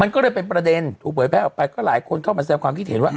มันก็เลยเป็นประเด็นถูกเผยแพร่ออกไปก็หลายคนเข้ามาแสดงความคิดเห็นว่า